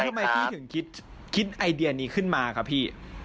ทำไมพี่ถึงคิดไอเดียนี้ขึ้นมาครับพี่